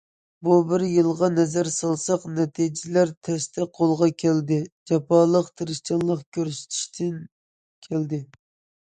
بۇ بىر يىلغا نەزەر سالساق، نەتىجىلەر تەستە قولغا كەلدى، جاپالىق تىرىشچانلىق كۆرسىتىشتىن كەلدى.